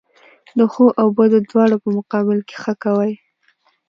د ښو او بدو دواړو په مقابل کښي ښه کوئ!